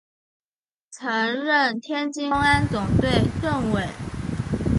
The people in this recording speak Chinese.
曾任天津公安总队政委。